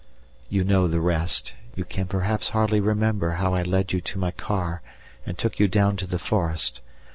You know the rest; you can perhaps hardly remember how I led you to my car and took you down to the forest.